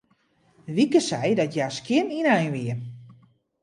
Wieke sei dat hja skjin ynein wie.